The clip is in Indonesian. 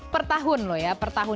per tahun loh ya per tahun